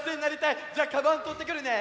じゃあカバンとってくるね！